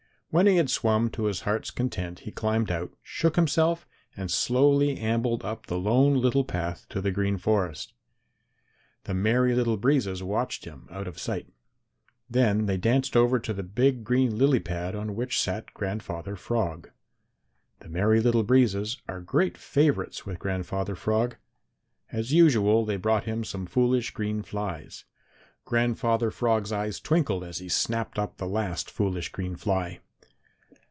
When he had swum to his heart's content he climbed out, shook himself and slowly ambled up the Lone Little Path to the Green Forest. The Merry Little Breezes watched him out of sight. Then they danced over to the big green lily pad on which sat Grandfather Frog. The Merry Little Breezes are great favorites with Grandfather Frog. As usual they brought him some foolish green flies. Grandfather Frog's eyes twinkled as he snapped up the last foolish green fly.